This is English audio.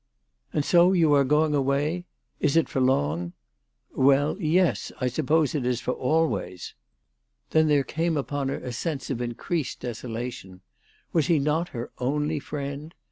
" And so you are going away ? Is it for long ?"" Well, yes ; I suppose it is for always." Then there came upon THE TELEGRAPH GIRL. 309 her a sense of increased desolation. Was he not her only friend